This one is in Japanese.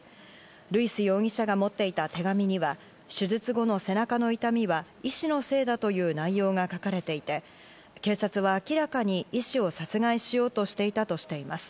ルイス容疑者が持っていた手紙には、手術後の背中の痛みは医師のせいだという内容が書かれていて、警察は明らかに医師を殺害しようとしていたとしています。